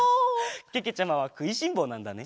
けけちゃまはくいしんぼうなんだね。